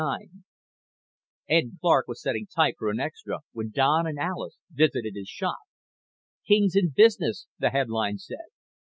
IX Ed Clark was setting type for an extra when Don and Alis visited his shop. KING'S IN BUSINESS, the headline said.